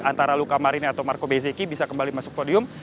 antara luca marini atau marco bezzecchi bisa kembali masuk podium